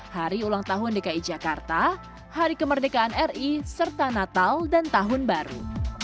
hari ulang tahun dki jakarta hari kemerdekaan ri serta natal dan tahun baru